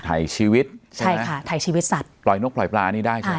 ไถชีวิตใช่ไหมใช่ค่ะไถชีวิตสัตว์ปล่อยนกปล่อยปลานี่ได้ใช่ไหมอ่า